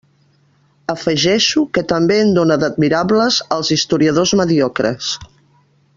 Afegeixo que també en dóna d'admirables als historiadors mediocres.